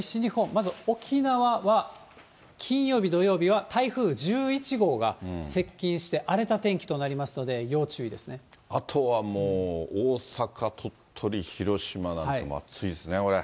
まず沖縄は、金曜日、土曜日は台風１１号が接近して荒れた天気となりますので、要注意あとはもう、大阪、鳥取、広島なんて暑いですね、これ。